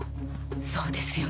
そうですよね。